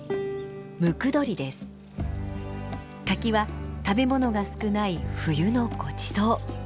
柿は食べ物が少ない冬のごちそう。